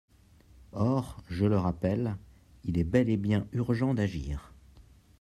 Or, je le rappelle, il est bel et bien urgent d’agir.